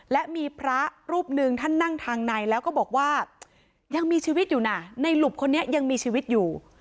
และมีพระรูปหนึ่งท่านนั่งทางในแล้วก็บอกว่ายังมีชีวิตอยู่นะในหลุบคนนี้ยังมีชีวิตอยู่